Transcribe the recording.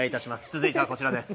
続いてはこちらです。